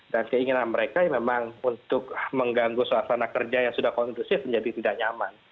dan keinginan mereka memang untuk mengganggu suasana kerja yang sudah kondusif menjadi tidak nyaman